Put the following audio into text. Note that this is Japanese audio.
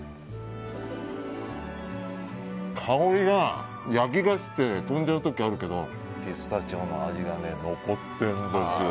香りが焼き菓子って飛んでいる時があるけどピスタチオの味が残ってるんですよ。